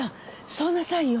そうなさいよ。